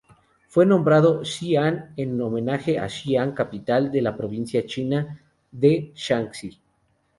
Fue nombrado Xi'an en homenaje a Xi'an capital de la provincia China de Shaanxi.